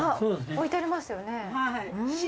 置いてありますよね。